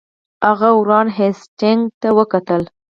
هغه وارن هیسټینګ ته ولیکل.